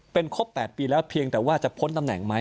เป็นครบ๘ปีแล้วเพียงแต่ว่าจะพ้นตำแหน่งไหม